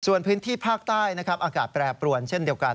ส่วนพื้นที่ภาคใต้นะครับอากาศแปรปรวนเช่นเดียวกัน